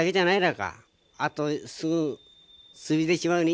あとすぐ過ぎてしまうね？